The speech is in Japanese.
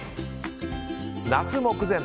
夏目前！